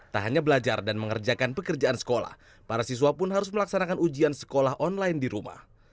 tak hanya belajar dan mengerjakan pekerjaan sekolah para siswa pun harus melaksanakan ujian sekolah online di rumah